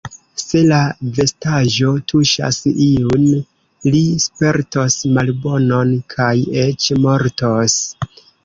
Se la vestaĵo tuŝas iun, li spertos malbonon kaj eĉ mortos.